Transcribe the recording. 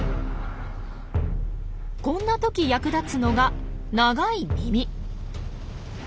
こんな時役立つのが長い耳。